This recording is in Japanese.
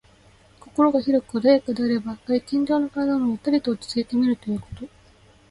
心が広く穏やかであれば、外見上の体もゆったりと落ち着いて見えるということ。